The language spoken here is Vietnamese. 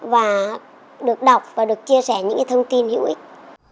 và được đọc và được chia sẻ những thông tin hữu ích